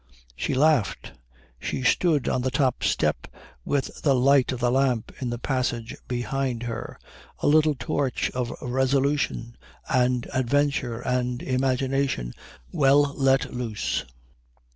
She laughed. She stood on the top step with the light of the lamp in the passage behind her, a little torch of resolution and adventure and imagination well let loose.